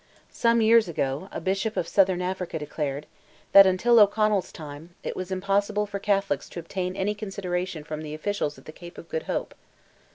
Some years ago, a bishop of Southern Africa declared, that, until O'Connell's time, it was impossible for Catholics to obtain any consideration from the officials at the Cape of Good Hope.